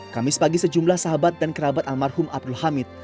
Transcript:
kamis pagi sejumlah sahabat dan kerabat almarhum abdul hamid